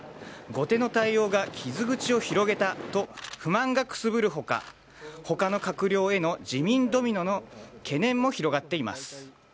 後手の対応が傷口を広げたと不満がくすぶるほか、ほかの閣僚への辞任ドミノの懸念も広がっています。